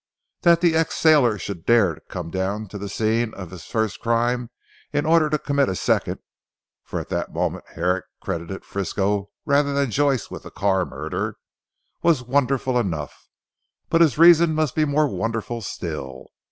That the ex sailor should dare to come down to the scene of his first crime in order to commit a second (for at the moment Herrick credited Frisco rather than Joyce with the Carr murder) was wonderful enough, but his reason must be more wonderful still.